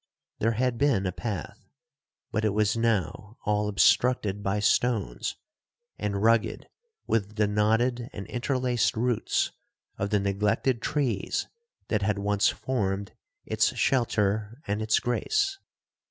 There had been a path, but it was now all obstructed by stones, and rugged with the knotted and interlaced roots of the neglected trees that had once formed its shelter and its grace.